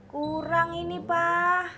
kurang ini pak